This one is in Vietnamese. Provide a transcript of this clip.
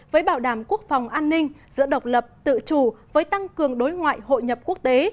với bảo đảm quốc phòng an ninh giữa độc lập tự chủ với tăng cường đối ngoại hội nhập quốc tế